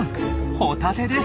ホタテです。